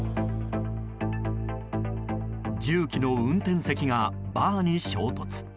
重機の運転席がバーに衝突。